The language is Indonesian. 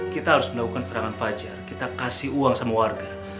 kita harus melakukan serangan fajar kita kasih uang sama warga